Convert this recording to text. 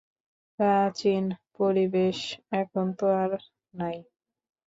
প্রাচীন পরিবেশ এখন তো আর নাই।